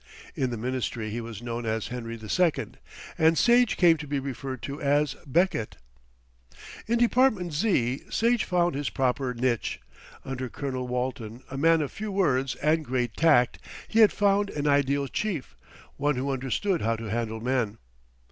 In the Ministry he was known as Henry II, and Sage came to be referred to as Beckett. In Department Z. Sage found his proper niche. Under Colonel Walton, a man of few words and great tact, he had found an ideal chief, one who understood how to handle men.